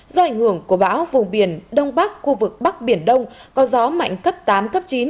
do ảnh hưởng của bão vùng biển đông bắc khu vực bắc biển đông có gió mạnh cấp tám cấp chín